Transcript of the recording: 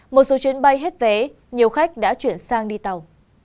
một số chuyến bay hết vé nhiều khách đã chuyển sang đi tàu